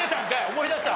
思い出した？